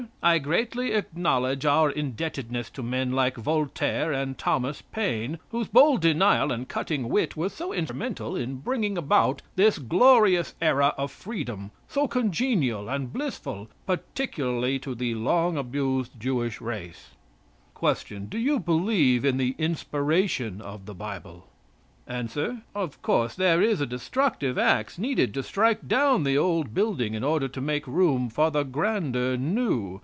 "I greatly acknowledge our indebtedness to men like Voltaire and Thomas Paine, whose bold denial and cutting wit were so instrumental in bringing about this glorious era of freedom, so congenial and blissful, particularly to the long abused Jewish race." Q. Do you believe in the inspiration of the Bible? A. "Of course there is a destructive ax needed to strike down the old building in order to make room for the grander new.